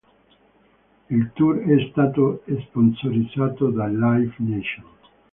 Il tour è stato sponsorizzato da Live Nation.